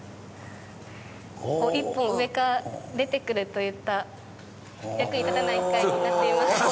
１本上から出てくるといった役に立たない機械になっています。